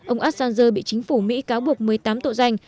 ông assanger bị chính phủ mỹ cáo buộc một mươi tám tội danh